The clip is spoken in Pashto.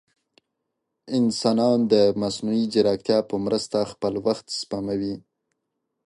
انسانان د مصنوعي ځیرکتیا په مرسته خپل وخت سپموي.